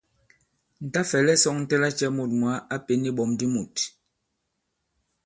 Ǹ ta-fɛ̀lɛ sɔ̄ŋtɛ lacɛ̄ mût mwǎ a pěn iɓɔ̀m di mût!